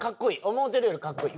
思うてるより格好いい。